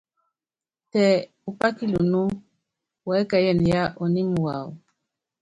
Tɛ upá kilunú, uɛ́kɛ́yɛnɛ yá ɔními wawɔ.